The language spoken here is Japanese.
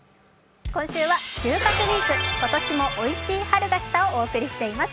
今週は「収穫ウィーク今年もおいしい春が来た！」をお送りしています。